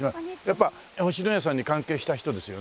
やっぱ星のやさんに関係した人ですよね？